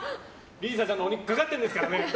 莉里沙ちゃんのお肉かかってるんですからね！